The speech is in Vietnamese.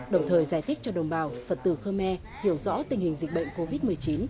đồng thời giải thích cho đồng bào phật tử khơ me hiểu rõ tình hình dịch bệnh covid một mươi chín